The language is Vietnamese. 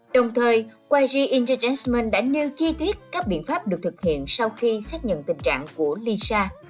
đồng thời genergens sman đã nêu chi tiết các biện pháp được thực hiện sau khi xác nhận tình trạng của lisa